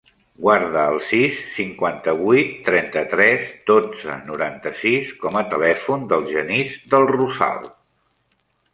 Guarda el sis, cinquanta-vuit, trenta-tres, dotze, noranta-sis com a telèfon del Genís Del Rosal.